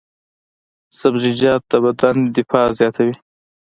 سبزیجات د بدن دفاع زیاتوي.